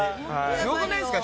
すごくないですか？